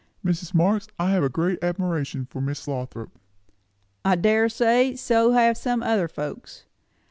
"Mrs. Marx, I have a great admiration for Miss Lothrop." "I dare say. So have some other folks."